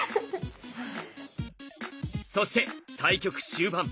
そして対局終盤。